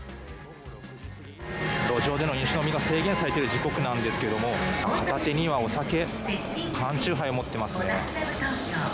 路上での飲酒、飲みが制限されている時刻なんですけども、片手にはお酒、缶酎ハイを持っていますね。